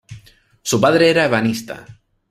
Su padre era ebanista.